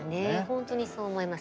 ほんとにそう思います。